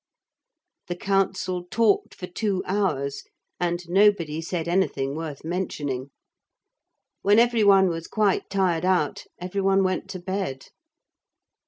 The council talked for two hours, and nobody said anything worth mentioning. When every one was quite tired out, every one went to bed.